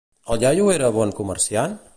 El iaio era bon comerciant?